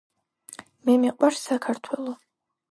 მე მიყვარს საქართველი